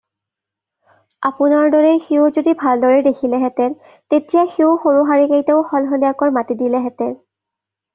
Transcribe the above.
আপোনাৰ দৰেই সিও যদি ভালদৰেই দেখিলেহেঁতেন, তেতিয়া সিও সৰু শাৰীকেইটাও সলসলীয়াকৈ মাতি দিলেহেঁতেন।